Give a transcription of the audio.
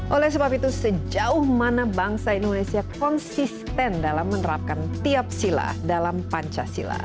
oleh sebab itu sejauh mana bangsa indonesia konsisten dalam menerapkan tiap sila dalam pancasila